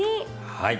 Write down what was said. はい。